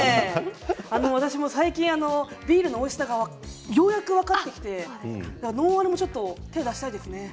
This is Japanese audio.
私も最近、ビールのおいしさがようやく分かってきてノンアルも手を出したいですね。